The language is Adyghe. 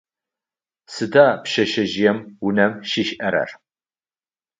Сыда пшъэшъэжъыем унэм щишӏэрэр?